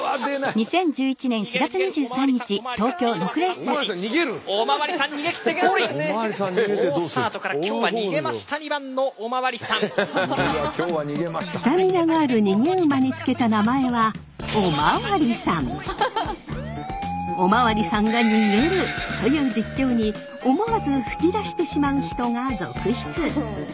好スタートからスタミナがある逃げ馬に付けた名前はオマワリサンが逃げるという実況に思わず吹き出してしまう人が続出！